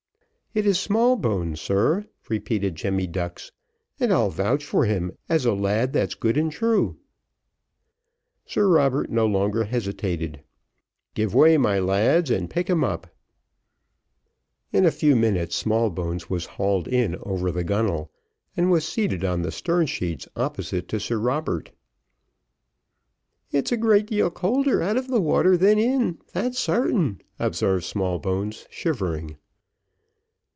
"It is Smallbones, sir," repeated Jemmy Ducks, "and I'll vouch for him as a lad that's good and true." Sir Barclay no longer hesitated: "Give way, my lads, and pick him up." In a few minutes, Smallbones was hauled in over the gunnel, and was seated on the stern sheets opposite to Sir Robert. "It's a great deal colder out of the water than in, that's sartain," observed Smallbones, shivering.